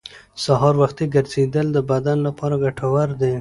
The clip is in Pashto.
سهار وختي ګرځېدل د بدن لپاره ګټور دي